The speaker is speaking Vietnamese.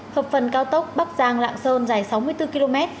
hợp phần cao tốc bắc giang lạng sơn dài sáu mươi bốn km